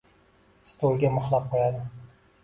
stolga “mixlab” qo’yadi.